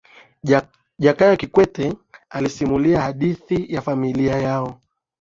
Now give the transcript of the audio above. jakaya kikwete alisimulia hadithi ya familia yao